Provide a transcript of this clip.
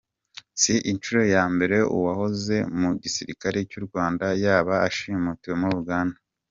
Si inshuro ya mbere uwahoze mu gisirikare cy’u Rwanda yaba ashimutiwe muri Uganda.